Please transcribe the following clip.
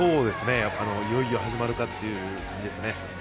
いよいよ始まるかという感じですね。